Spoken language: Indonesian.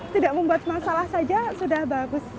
tidak membuat masalah saja sudah bagus